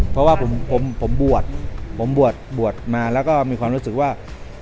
เพราะว่าผมบวชมาและก็มีความรู้สึกว่า